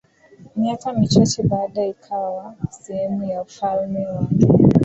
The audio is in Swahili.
Miaka michache baadae ikawa sehemu ya ufalme wake